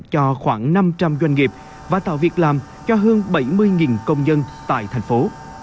cho khoảng năm trăm linh doanh nghiệp và tạo việc làm cho hơn bảy mươi công nhân tại thành phố